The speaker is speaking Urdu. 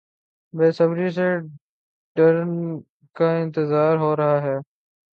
بےصبری سے ڈنر کا انتظار ہورہا تھا